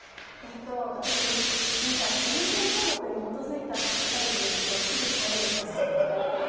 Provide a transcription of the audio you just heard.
私、人間工学に基づいたって書かれているとすぐ買うんですよ。